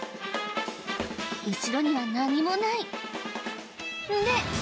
後ろには何もないんで！